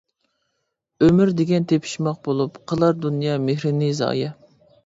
ئۆمۈر دېگەن تېپىشماق بولۇپ، قىلار دۇنيا مېھرىنى زايە.